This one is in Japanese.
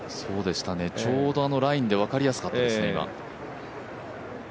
ちょうどラインで分かりやすかったですね。